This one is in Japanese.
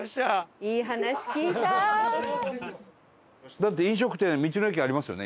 だって飲食店道の駅ありますよね？